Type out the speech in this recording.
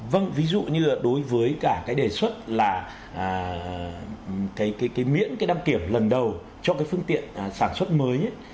vâng ví dụ như là đối với cả cái đề xuất là cái miễn cái đăng kiểm lần đầu cho cái phương tiện sản xuất mới